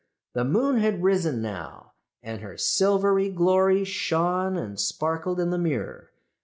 "The moon had risen now, and her silvery glory shone and sparkled in the mirror.